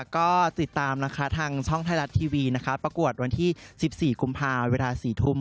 ก็ติดตามนะคะทางช่องไทยรัฐทีวีนะคะประกวดวันที่๑๔กุมภาเวลา๔ทุ่ม